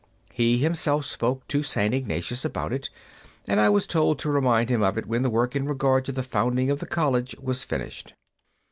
He himself spoke to St. Ignatius about it, and I was told to remind him of it when the work in regard to the founding of the college was finished.